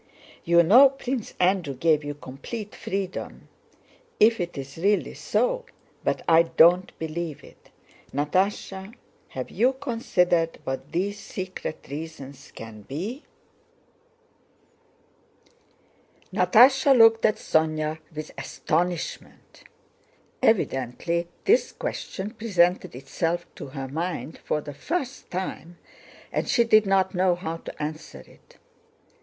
You know Prince Andrew gave you complete freedom—if it is really so; but I don't believe it! Natásha, have you considered what these secret reasons can be?" Natásha looked at Sónya with astonishment. Evidently this question presented itself to her mind for the first time and she did not know how to answer it.